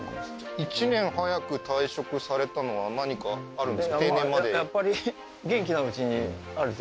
１年早く退職されたのは何かあるんですか？